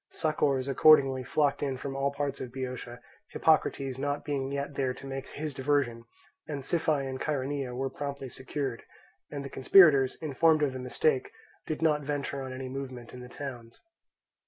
Succours accordingly flocked in from all parts of Boeotia, Hippocrates not being yet there to make his diversion, and Siphae and Chaeronea were promptly secured, and the conspirators, informed of the mistake, did not venture on any movement in the towns.